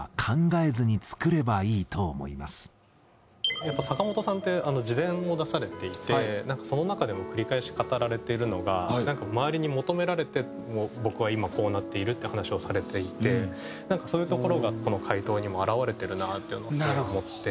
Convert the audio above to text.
やっぱ坂本さんって自伝を出されていてその中でも繰り返し語られているのがなんか周りに求められて僕は今こうなっているっていう話をされていてそういうところがこの回答にも表れてるなっていうのをすごい思って。